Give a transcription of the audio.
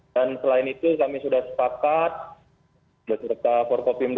dan selain itu kami sudah sepakat berserta kppm